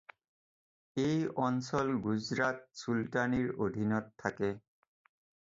এই অঞ্চল গুজৰাট চুলতানিৰ অধীনত থাকে।